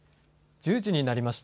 １０時になりました。